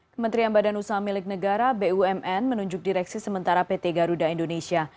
kementerian badan usaha milik negara bumn menunjuk direksi sementara pt garuda indonesia